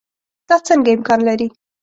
دا څنګه امکان لري.